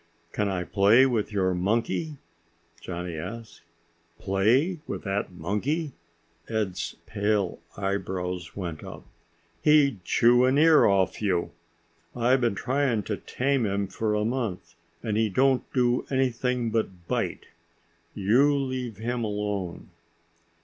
"Can I play with your monkey?" Johnny asked. "Play with that monkey!" Ed's pale eyebrows went up. "He'd chew an ear off you. I've been trying to tame him for a month and he don't do anything but bite. You leave him alone."